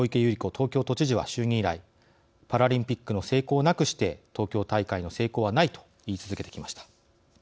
東京都知事は就任以来「パラリンピックの成功なくして東京大会の成功はない」と言い続けてきました。